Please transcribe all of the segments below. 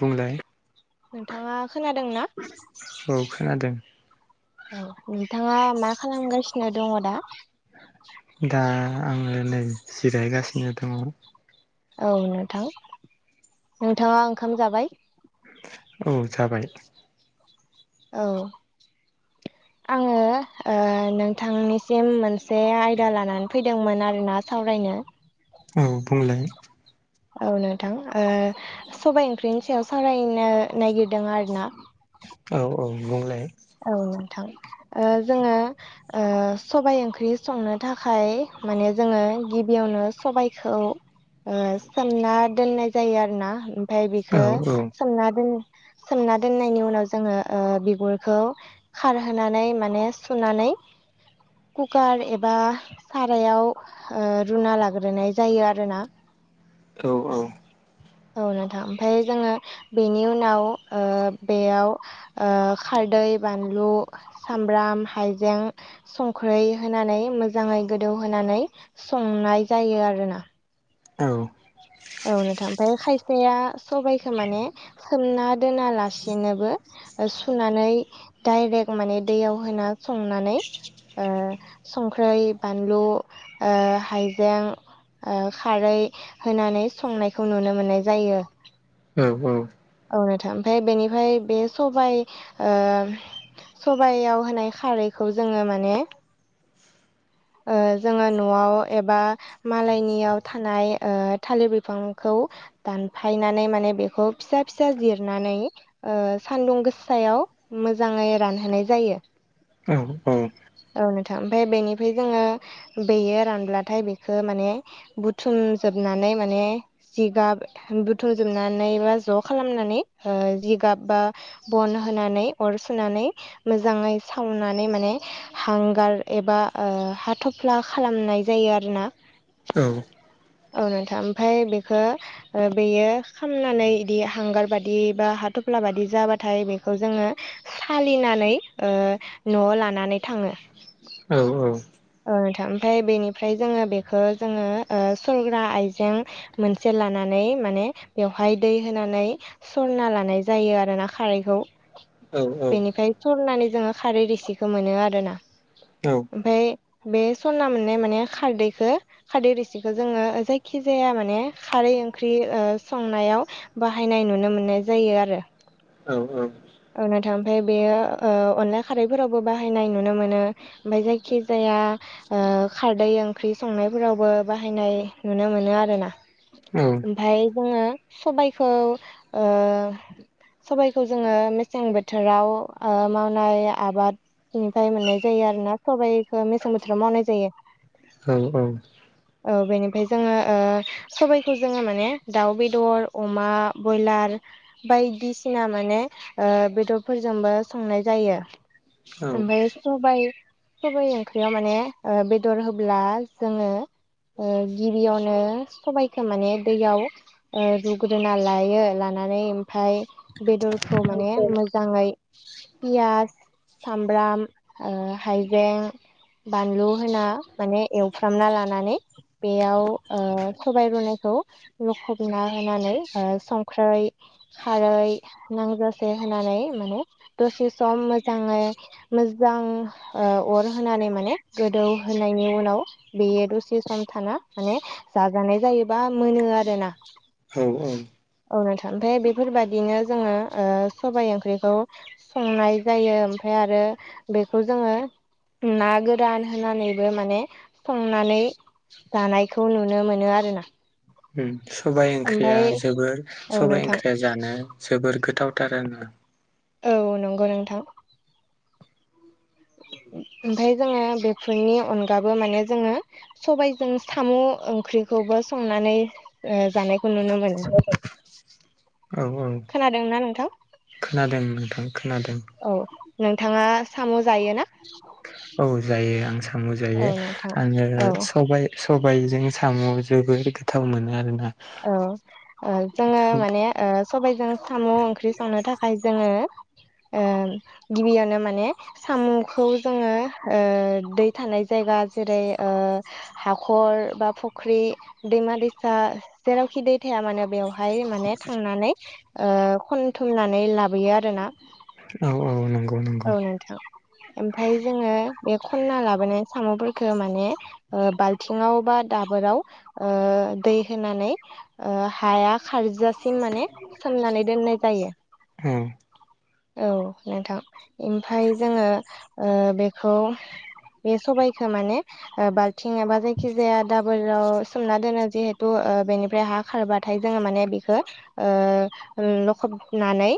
बुंलाय? नोंथाङा खोनादोंना? औ खोनादों। औ नोंथाङा मा खालामगासिनो दङ दा? दा आङो नै जिरायगासिनो दङ। औ नोंथां नोंथाङा ओंखाम जाबाय? औ जाबाय। औ आङो नोंथांनिसिम मोनसे आयदा लानानै फैदोंमोन आरोना सावरायनो। औ बुंलाय। औ नोंथां ओ सबाय ओंख्रिनि सायाव सावरायनो नागिरदों आरोना। औ औ बुंलाय। औ नोंथां ओ जोङो ओ सबाय ओंख्रि संनो थाखाय माने जोङो गिबियावनो सबाइखौ ओ सोमना दोननाय जायो आरो ना। ओमफाय औ बेखौ औ सोमना दोन सोमना दोननायनि उनाव जोङो ओ बिगुर खौ खारहोनानै माने सुनानै कुकार एबा सारायाव रुना लाग्रोनाय जायो आरोना। औ औ औ नोंथां ओमफ्राय जोङो बेनि उनाव ओ बेयाव ओ खारदै बानलु सामब्राम हाइजें संख्रै होनानै मोजाङै गोदौहोनानै संनाय जायो आरोना। औ औ नोंथां ओमफ्राय खायसेया सबाइखौ माने सोमना दोनालासिनोबो सुनानै डाइरेक्ट माने दैयाव होना संनानै ओ संख्रै बानलु ओ हाइजें ओ खारै होनानै संनायखौ नुनो मोननाय जायो। औ औ औ नोंथां ओमफ्राय बेनिफ्राय बे सबाय सबयाव होनाय खारैखौ जोङो माने ओ जोङो न'आव एबा मालायनियाव थानाय ओ थालिर बिफांखौ दानफायनानै माने बेखौ फिसा फिसा जिरनानै ओ सान्दुं गोसायाव मोजाङै रानहोनाय जायो। औ औ नोंथां ओमफ्राय बेनिफ्राय जोङो बेयो रानब्लाथाय बेखौ माने बुथुमजोबनानै माने जिगाब बुथुमजोबनानै बा ज' खालामनानै जिगाब बा बन होनानै अर सुनानै मोजाङै सावनानै माने हांगार एबा ओ हाथफ्ला खालामनाय जायो आरोना। औ औ नोंथां ओमफ्राय बेखो बेयो खामनानै बिदि हांगार बादि बा हाथफ्ला बादि जाबाथाय बेखौ जोङो सालिनानै न'आव लानानै थाङो औ औ औ नोंथां ओमफ्राय बेनिफ्राय जोङो बेखो जोङो ओ सरग्रा आइजें मोनसे लानानै माने बेवहाय दै होनानै सरना लानाय जायो आरो ना खारैखौ औ बेनिफ्राय सरनानै जोङो खारै रिसिखौ मोनो आरो ना। औ ओमफाय बे सरना मोननाय माने खारदैखो खारदै रिसिखौ जोङो जायखि जाया माने खारै ओंख्रि संनायाव बाहायनाय नुनो मोननाय जायो आरो। औ औ औ नोंथां ओमफ्राय बेयो अनला खारैफोरावबो बाहायनाय नुनो मोनो ओमफाय जायखि जाया ओ खारदै ओंख्रि संनायफोरावबो बाहायनाय नुनो मोनो आरो ना। औ ओमफाय जोङो सबायखौ ओ सबाइखौ जोङो मेसें बोथोराव मावनाय आबाद बिनिफ्राय मोननाय जायो आरो ना सबाइखौ मेसें बोथोराव मावनाय जायो। उम औ बेनिफ्राय जोङो ओ सबाइखौ जोङो माने दाउ बेदर मा बयलार बायदिसिना माने बेदरफोरजोंबो संनाय जायो। ओमफाय सबाय सबाया ओंख्रियाव माने बेदर होब्ला जोङो ओ गिबियावनो सबाइखौ माने दैयाव रुग्रोना लायो लानानै ओमफाय बेदरखौ माने मो मोजाङै पियास सामब्राम हाइजें बानलु होना माने एवफ्रामना लानानै बेयाव ओ सबाय रुनायखौ लुखबना होनानै संख्रै खारै नांजासे सेहोनानै माने दसे माने मोजाङै मोजां अर होनानै माने गोदौ होनायनि उनाव बेयो दसे सम थाना माने जाजानाय जायोबा मोनो आरो ना औ औ औ नोंथा ओमफाय बेफोरबायदिनो जोङो ओ सबाइ ओंख्रिखौ संनाय जायो ओमफाय आरो बेखौ जोङो ना गोरान होनानैबो माने संनानै दानायखौ नुनो मोनो आरो ना ओम सबाइ ओंख्रिया जोबोर औ सबाइ नोंथां ओंख्रिया जानो जोबोर गोथावथार आरो ना। औ नंगौ नोंथां ओमफाय जोङो बेफोरनि अनगाबो माने जोङो सबायजों साम' ओंख्रिखौबो संनानै ओ जानाय क नुनो मोनो औ औ खोनादोंना नोंथां? खोनादों नोंथां खोनादों औ नोंथाङा साम' जायो ना? औ जायो आं साम' औ जायो नोंथां आङो औ सबाय सबायजों साम' जोबोर गोथाव मोनो आरोना। औ ओ जोङो माने ओ सबायजों साम' ओंख्रि संनो थाखाय जोङो ओ गिबियावनो माने साम'खौ जोङो ओ दै थानाय जायगा जेरै ओ हाखर बा फुख्रि दैमा दैसा जेरावखि दै थाया मानो बेवहाय माने थांनानै ओ खनथुमनानै लाबोयो आरोना औ औ नंगौ नंगौ औ नोंथां ओमफाय जोङो बे खनना लाबोनाय साम'फोरखौ माने ओ बाल्थिंवा बा दाबोराव ओ दै होनानै ओ हाया खारजासिम माने सोमनानै दोननाय जायो। औ औ नोंथां ओमफाय जोङो ओ बेखौ बे सबायखो माने ओ बाल थिं एबा जायखिजाया दाबोराव सोमना दोनो जिहेतु ओ बेनि फ्राय हा खारबाथाय जोङो माने बिखो ओ ओ लखबनानै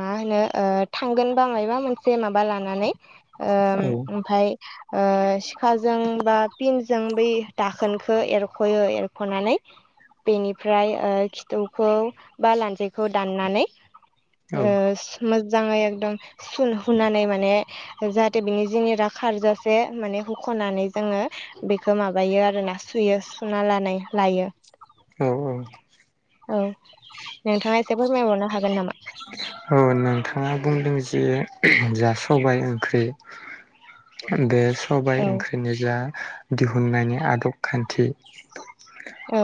मा होनो ओ थांगोनबा मायबा मोनसे माबा लानानै ओ औ ओमफाय ओ सिखाजों बा पिनजों बै दाखोनखौ एरख'यो एरख'नानै बेनिफ्राय ओ खिथुखौ बा लान्जैखौ दाननानै औ ओ सो मोजाङै एग दम सुन हुनानै माने जाहाथे बिनि जिनि रा खारजासे माने होख'नानै जोङो बेखौ माबायो आरो ना सुयो सुना लानाय लायो। औ औ नोंथाङा एसे फोरमायबावनो हागोन नामा? औ नोंथाङा बुंदों जे जा सबाय ओंख्रि दे सबाय औ ओंख्रि निजा दिहुननायनि आदब खान्थि औ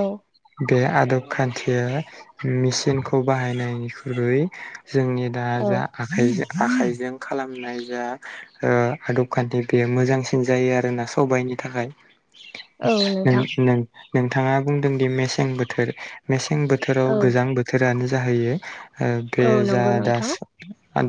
बे आदब खान्थिया मिसिनखौ बाहायनायनिख्रुय जोंनि दा औ जा आखाइजों आखाइजों खालामनाय जा ओ आदबखान्थि बेयो मोजांसिन जायो आरोना सबायनि थाखाय औ नों नोंथां नों नोंथाङा बुंदों दि मेसें बोथोर मेसें बोथोराव औ गोजां बोथोरानो जाहैयो ओ बे औ जा नंगौ दा नोंथां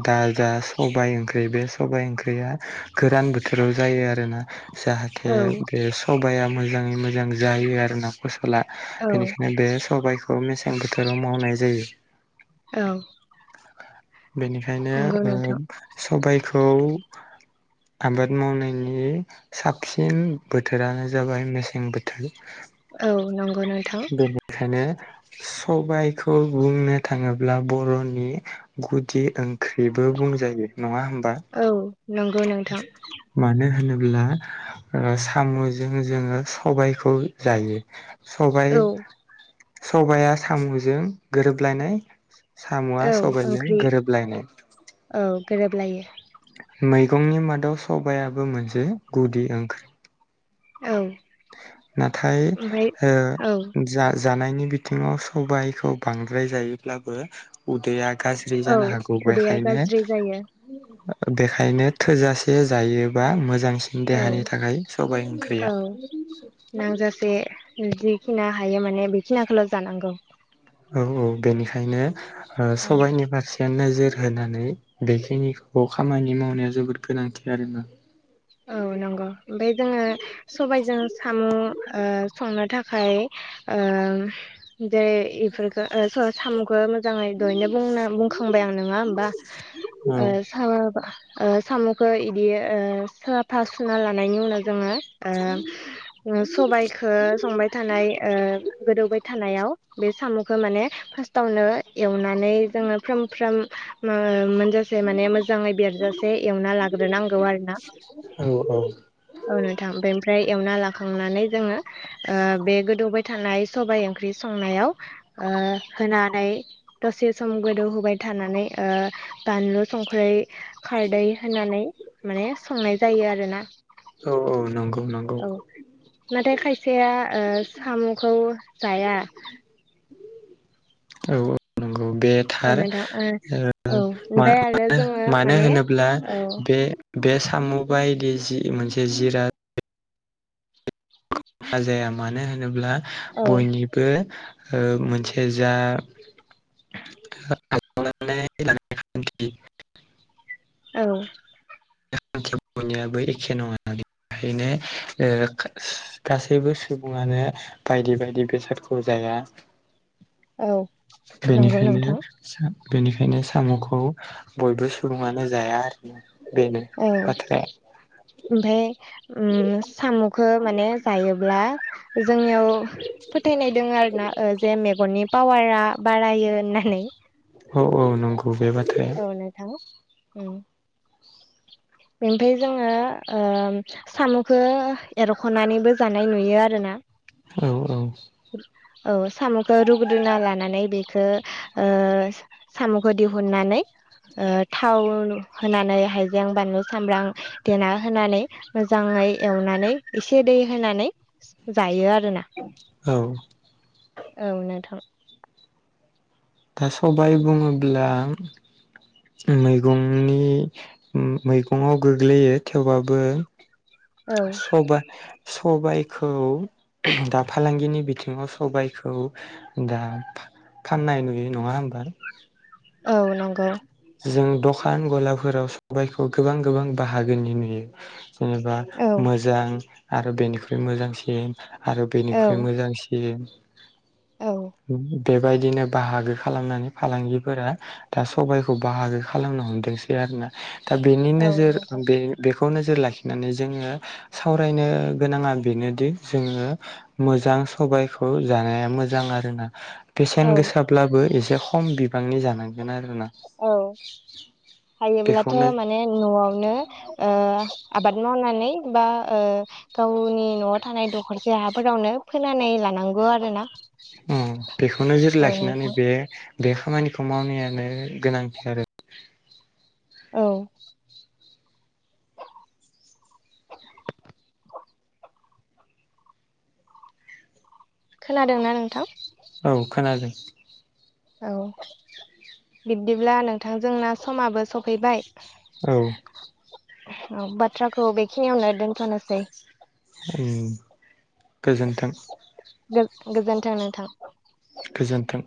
दा जा सबाय ओंख्रि बे सबाइ ओंख्रिया गोरान बोथोराव जायो आरोना जाहाथे औ बे सबाया मोजाङै मोजां जायो आरो ना फसला औ बेनिखायनो बे सबाइखौ मेसें बोथोराव मावनाय जायो। औ बेनिखायनो नंगौ ओ नोंथां सबायखौ आबाद मावनायनि साबसिन बोथोरानो जाबाय मेसें बोथोर। औ नंगौ नोंथां बेखायनो सबायखौ बुंनो थाङोब्ला बर'नि नि गुदि ओं ख्रैबो बुंजायो नङा होमबा औ नंगौ नोंथां मानो होनोब्ला साम'जों जोङो सबायखौ जायो। सबाय औ सबाया साम'जों गोरोबलायनाय साम'आ औ सबायजों ओंख्रि गोरोबलायनाय औ गोरोबलायो मैगंनि मादाव सबायाबो मोनसे गुदि ओंख्रि औ नाथाय ओमफ्राय ओ औ जा जानायनि बिथिङाव सबायखौ बांद्राय जायोब्लाबो उदैया गाज्रि औ जानो हागौ उदैया बेखायनो गाज्रि जायो बेखायनो थोजासे जायोबा मोजांसिन औ देहानि थाखाय सबाय औ ओंख्रिया नांजासे जिखिना हायो माने बेखिनिखौल' जानांगौ। औ औ बेनिखायनो औ सबाइनि फारसे बे नोजोर होनानै बेखिनिखौ खामानि मावनाया जोबोद गोनांथि आरोना। औ नंगौ ओमफ्राय जोङो सबायजों साम' संनो थाखाय ओ दे इफोर खो सामुखौ मोजाङै दहैनो बुंखांबाय आं नोङा होमबा औ ओ साबाबा ओ साम'खौ इदि साफा सुना लानायनि उनाव जोङो ओ सबायखो संबाय थानाय गोदौबाय थानायाव बे साम'खौ माने फार्स्टावनो एवनानै जोङो फ्रोम फ्राम मोनजासे माने मोजाङै बेरजासे एवना लाग्रोनांगौ आरो ना औ औ औ नोंथां बेनिफ्राय एवना लाखांनानै जोङो बे गोदौबाय थानाय सबाय ओंख्रि संनायाव ओ होनानै दसे सम गोदौहोबाय थानानै ओ बानलु संख्रै खारदै होनानै माने संनाय जायो आरोना औ औ नंगौ नंगौ औ नाथाय खायसेया ओ साम'खौ जाया औ औ नंगौ बे थार औ नोंथां ओ औ ओमफ्राय आरो जोङो मानो माने होनोब्ला औ बे बे साम' बायदि जि मोनसे जिरात हाजाया मानो होनोब्ला औ बयनि बो मोनसे जा [unintelligible] औ [unintelligible] बयनियाबो एखे नङा बेखायनो ओ गासैबो सुबुङानो बायदि बायदि बेसादखौ जाया औ नंगौ बेनिखायनो नोंथां बेनिखायनो साम'खौ बयबो सुबुङानो जाया आरो ना। औ। ओमफाय ओम सामुखो माने जायोब्ला जोंनियाव फोथायनाय दोङो आरोना ओ जे मेगननि पावारा बारायो होननानै। अ अ नंग गौ बे बाथ्राया। औ नोंथां ओम बेनिफाय जोङो ओम सामुखो एरख'नानैबो जानाय नुयो आरो ना। औ औ। औ सामुखो रुग्रोना लानानै बेखो ओ सामुखो दिहुननानै ओ थाव होनानै हायजें बानलु सामब्राम देना होनानै मोजाङै एवनानै एसे दै होनानै जायो आरोना। औ। औ नोंथां। दा सबाय बुङोब्ला मैगंनि मैगङाव गोग्लैयो थेवबाबो औ सबा सबायखौ दा फालांगिनि बिथिङाव सबायखौ दा फाननाय नुयो नङा होमबा? औ नंगौ। जों दखान गलाफोराव सबायखौ गोबां गोबां बाहागोनि नुयो जेनेबा औ मोजां आरो बेनिख्रुइ मोजांसिन। आरो बेनिख्रुइ औ मोजांसिन। औ बेबायदिनो बाहागो खालामनानै फालांगिफोरा दा सबायख खौ बाहागो खालामनो हमदोंसै आरोना दा बेनि औ नोजोर नोंथां बे बेखौ नोजोर लाखिनानै जोङो सावरायनो गोनाङा बेनोदि जोङो मोजां सबायखौ जानाया मोजां आरोना। औ बेेसेन गोसाब्लाबो एसे खम बिबांनि जानांगोन आरोना। औ हायोब्लाथ' बेखौनो मा ने न'आवनो ओ आबाद मावनानै बा ओ गावनि न'आव थानाय दखरसे हाफोरावनो फोनानै लानांगौ आरो ना। ओम बेखौ नोजोर लाखिनानै बे बे खामानिखौ मावनायानो गोनांथि आरो। औ। खोनादोंना नोंथां? औ खोनादों। औ बिबदिब्ला नोंथां जोंना समाबो सफैबाय। औ। औ बाथ्राखौ बेखिनियावनो दोनथ'नोसै। ओम गोजोन्थों। गो-गोजोन्थों नोंथां। गोजोन्थों।